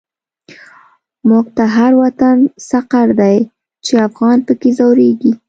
موږ ته هر وطن سقر دی، چی افغان په کی ځوريږی